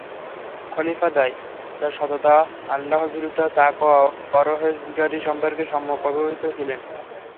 খলীফাদ্বয় তার সততা, আল্লাহভীরুতা, তাকওয়া-পরহেযগারী সম্পর্কে সম্যক অবহিত ছিলেন।